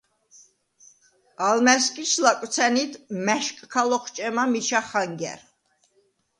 ალმა̈სგირს ლაკვცა̈ნიდ მა̈შკქა ლოხჭემა მიჩა ხანგა̈რ.